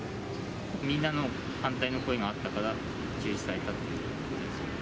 みんなの反対の声があったから中止されたっていう。